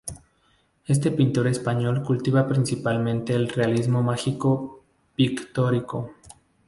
Este pintor español cultiva principalmente el realismo mágico pictórico.